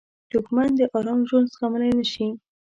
دښمن د آرام ژوند زغملی نه شي